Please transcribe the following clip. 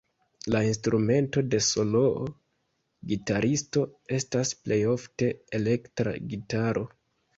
La instrumento de soloo-gitaristo estas plejofte elektra gitaro.